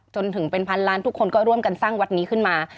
จนถึงเป็นพันล้านทุกคนก็ร่วมกันสร้างวัดนี้ขึ้นมา